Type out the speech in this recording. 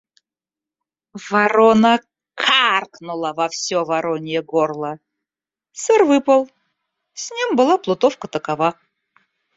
Ворона каркнула во всё воронье горло: сыр выпал — с ним была плутовка такова.